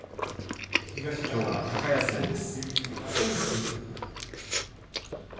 きょうは高安戦です。